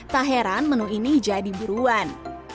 tak heran menu ini jadi buruan